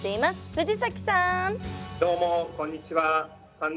藤崎さん